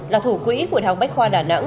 là thủ quỹ của đh bách khoa đà nẵng